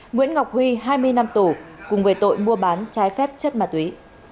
nguyễn ngọc huy hai mươi năm tù cùng về tội mua bán trái phép chất ma túy